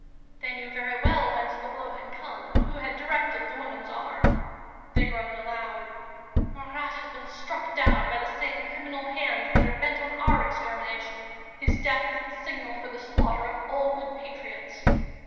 They knew very well whence the blow had come, and who had directed the woman's arm. They groaned aloud: "Marat has been struck down by the same criminal hands that are bent on our extermination. His death is the signal for the slaughter of all good patriots."